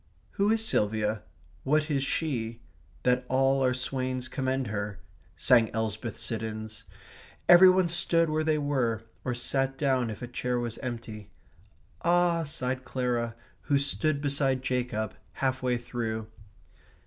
/* "Who is Silvia? what is she? That all our swains commend her?" */ sang Elsbeth Siddons. Every one stood where they were, or sat down if a chair was empty. "Ah," sighed Clara, who stood beside Jacob, half way through.